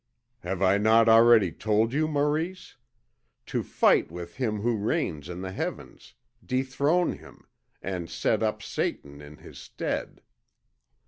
"Have I not already told you, Maurice? To fight with Him who reigns in the heavens, dethrone Him, and set up Satan in His stead."